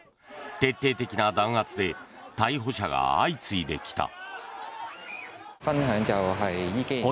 徹底的な弾圧で逮捕者が相次いできた。